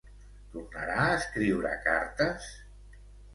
Tornarà a escriure cartes?